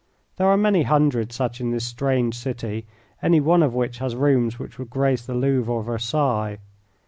There are many hundred such in this strange city, any one of which has rooms which would grace the Louvre or Versailles.